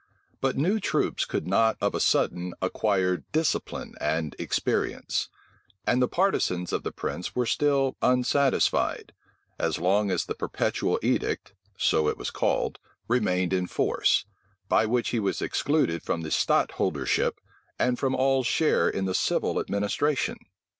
But new troops could not of a sudden acquire discipline and experience: and the partisans of the prince were still unsatisfied, as long as the perpetual edict (so it was called) remained in force; by which he was excluded from the stadtholdership, and from all share in the civil administration.